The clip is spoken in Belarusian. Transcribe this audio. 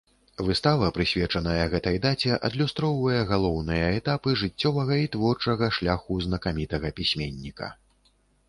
Выстава, прысвечаная гэтай даце, адлюстроўвае галоўныя этапы жыццёвага і творчага шляху знакамітага пісьменніка.